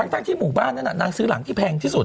ทั้งที่หมู่บ้านนั้นนางซื้อหลังที่แพงที่สุด